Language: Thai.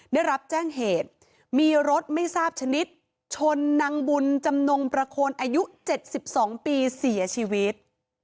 ได้รับแจ้งเหตุมีรถไม่ทราบชนิดชนนางบุญจำนงประโคนอายุ๗๒ปีเสียชีวิต